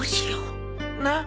なっ。